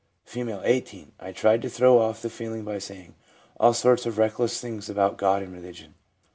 F, 18. * I tried to throw off the feeling by saying all sorts of reckless things about God and religion.'